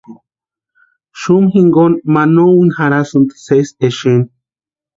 Xumu jinkoni ma no úni jarhasïnti sési exeni.